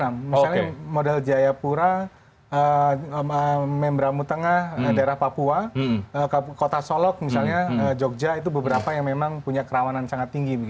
misalnya model jayapura membramu tengah daerah papua kota solok misalnya jogja itu beberapa yang memang punya kerawanan sangat tinggi